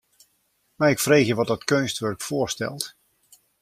Mei ik freegje wat dat keunstwurk foarstelt?